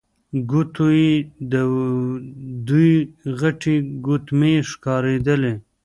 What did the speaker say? ګوتو يې دوې غټې ګوتمۍ ښکارېدلې.